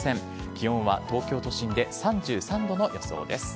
気温は東京都心で３３度の予想です。